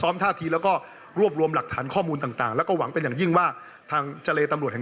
มันก็วนลูปแน่